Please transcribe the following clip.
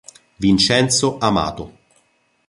Vincenzo Amato